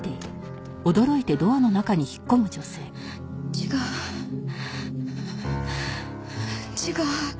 違う違う！